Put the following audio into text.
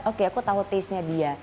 oke aku tahu taste nya dia